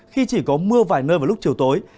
khi chỉ có mưa vài nơi vào lúc chiều tối